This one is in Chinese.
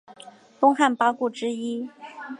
东汉八顾之一。